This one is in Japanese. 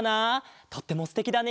とってもすてきだね。